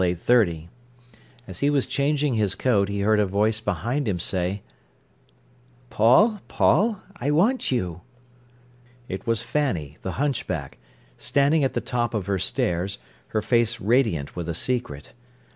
30. As he was changing his coat, he heard a voice behind him say: "Paul, Paul, I want you." It was Fanny, the hunchback, standing at the top of her stairs, her face radiant with a secret.